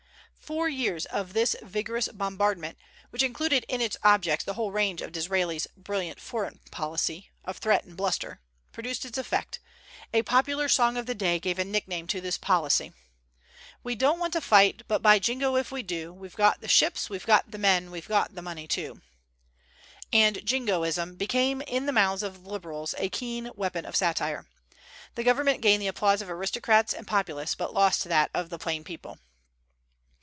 Four years of this vigorous bombardment, which included in its objects the whole range of Disraeli's "brilliant foreign policy" of threat and bluster, produced its effect, A popular song of the day gave a nickname to this policy: "We don't want to fight, but, by Jingo, if we do, We've got the ships, we've got the men, we've got the money, too." And Jingoism became in the mouths of the Liberals a keen weapon of satire. The government gained the applause of aristocrats and populace, but lost that of the plain people.